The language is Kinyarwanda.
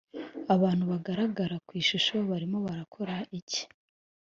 abantu bagaragara ku ishusho barimo barakora iki